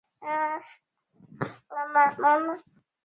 法国行政区划是指法国的行政和机构的划分。